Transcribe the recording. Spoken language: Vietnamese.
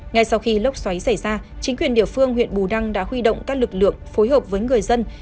ngay sau khi lốc xoáy xảy ra chính quyền địa phương huyện bù đăng đã huy động các lực lượng phối hợp với người dân